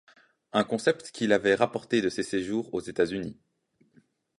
Un concept qu'il avait rapporté de ses séjours aux États-Unis.